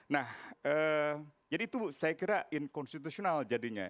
nah jadi itu saya kira inkonstitusional jadinya